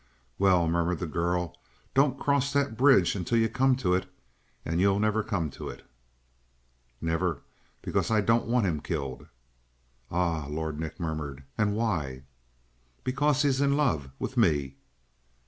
"Well," murmured the girl, "don't cross that bridge until you come to it; and you'll never come to it." "Never. Because I don't want him killed." "Ah," Lord Nick murmured. "And why?" "Because he's in love with me."